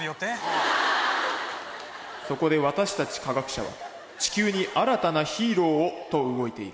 「そこで私たち科学者は地球に新たなヒーローを！と動いている」。